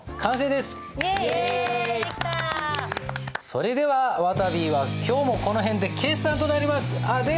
それではわたびは今日もこの辺で決算となります。